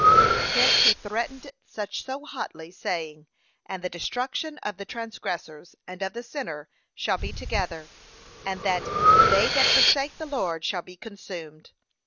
Hence he threateneth such so hotly, saying, 'And the destruction of the transgressors and of the sinner shall be together,' and that 'they that forsake the Lord shall be consumed.'